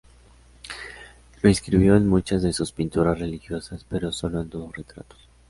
Lo inscribió en muchas de sus pinturas religiosas, pero solo en dos retratos.